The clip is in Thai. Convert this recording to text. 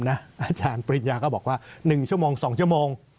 อาจารย์ปริญญาก็บอกว่า๑ชั่วโมง๒ชั่วโมง